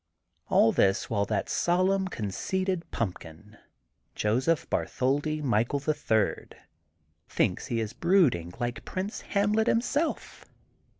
AH this while that solemn conceited pump kin Josept Bartholdi Michael, the Third, thinks he is brooding like Prince Hamlet him self.